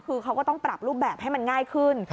คือเขาก็ต้องปรับรูปแบบให้มันง่ายขึ้น